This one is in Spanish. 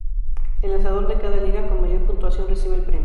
El lanzador de cada liga con mayor puntuación recibe el premio.